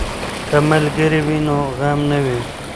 که ملګری وي نو غم نه وي.